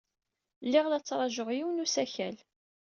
Lliɣ la ttṛajuɣ yiwen n usakal.